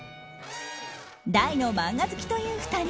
大の漫画好きという２人。